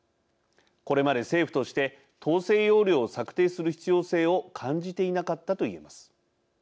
これまで政府として統制要領を策定する必要性を感じていなかったと言えます。